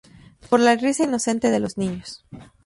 Por la risa inocente de los niños!